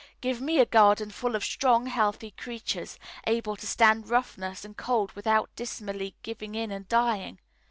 Give me a garden full of strong, healthy creatures, able to stand roughness and cold without dismally giving in and dying.